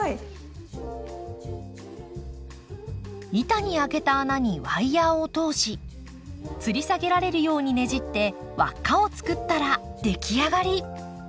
板に開けた穴にワイヤーを通しつり下げられるようにねじって輪っかを作ったら出来上がり。